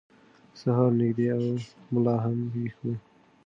سهار نږدې و او ملا هم ویښ و.